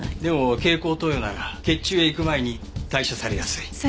でも経口投与なら血中へ行く前に代謝されやすい。